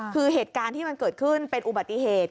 คือเหตุการณ์ที่มันเกิดขึ้นเป็นอุบัติเหตุ